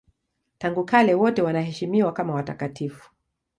Tangu kale wote wanaheshimiwa kama watakatifu.